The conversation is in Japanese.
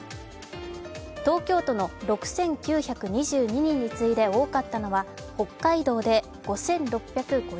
東京都の６９２２人に次いで多かったのは北海道で５６５８人。